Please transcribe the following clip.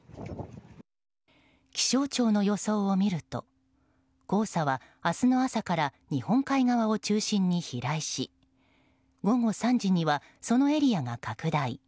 気象庁の予想を見ると黄砂は明日の朝から日本海側を中心に飛来し午後３時には、そのエリアが拡大。